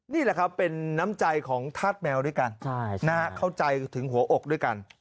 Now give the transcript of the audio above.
นี่แหละครับเป็นน้ำใจของธาตุแมวด้วยกันเข้าใจถึงหัวอกด้วยกัน